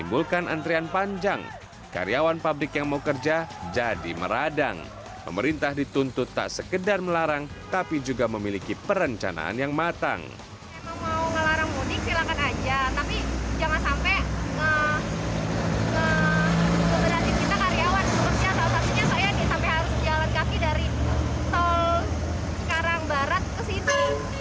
maksudnya salah satunya saya disampai harus jalan kaki dari tol sekarang barat ke situ